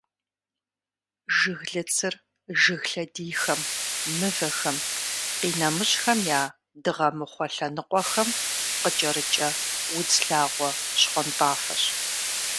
Жыглыцыр жыг лъэдийхэм, мывэхэм, къинэмыщӏхэм я дыгъэмыхъуэ лъэныкъуэхэм къыкӏэрыкӏэ удз лъагъуэ щхъуантӏафэщ.